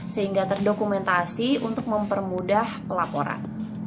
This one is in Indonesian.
sehingga terdokumentasi untuk mempermudah pelaporan